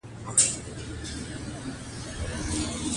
موږ باید د خلګو سره ښه رویه وکړو